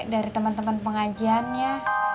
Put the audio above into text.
dari teman teman pengajiannya